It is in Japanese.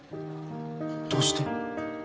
どうして？